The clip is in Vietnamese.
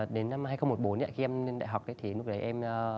đến năm hai nghìn một mươi bốn khi em lên đại học thì lúc đấy em